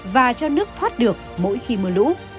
và cho nước thoát được mỗi khi mưa lũ